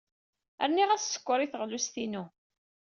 Rniɣ-as sskeṛ i teɣlust-inu.